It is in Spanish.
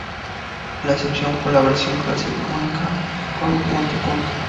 La excepción fue la versión Classic, única con multipunto.